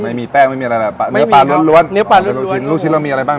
ไม่มีแป้งไม่มีอะไรเนื้อปลาล้วนล้วนเนื้อปลาล้วนล้วนลูกชิ้นเรามีอะไรบ้าง